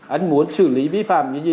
anh muốn xử lý vi phạm như gì